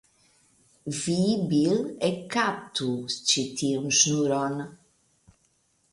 Vi, Bil, ekkaptu ĉi tiun ŝnuron.